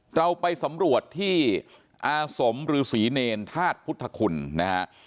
เราไปสำรวจที่อาสมหรือศรีเนรทาสพุทธคุณนะครับ